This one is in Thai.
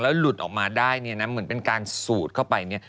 หลุดออกมาได้เนี่ยนะเหมือนเป็นการสูดเข้าไปเนี่ย